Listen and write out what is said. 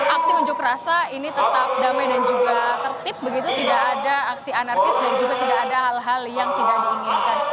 aksi unjuk rasa ini tetap damai dan juga tertib begitu tidak ada aksi anarkis dan juga tidak ada hal hal yang tidak diinginkan